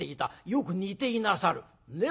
よく似ていなさる。ね？